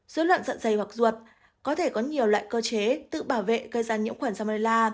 dưới luận dặn dày hoặc ruột có thể có nhiều loại cơ chế tự bảo vệ gây ra nhiễm khuẩn salmonella